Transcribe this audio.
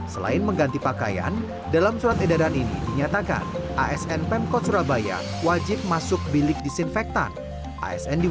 selain mengganti pakaian dalam surat edaran ini dinyatakan asn pemkot surabaya wajib masuk bilik disinfektan